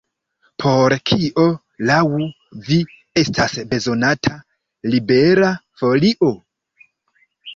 Por kio laŭ vi estas bezonata Libera Folio?